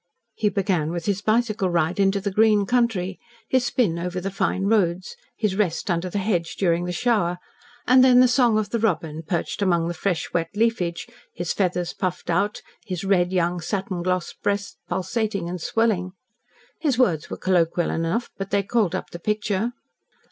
He began with his bicycle ride into the green country, his spin over the fine roads, his rest under the hedge during the shower, and then the song of the robin perched among the fresh wet leafage, his feathers puffed out, his red young satin glossed breast pulsating and swelling. His words were colloquial enough, but they called up the picture.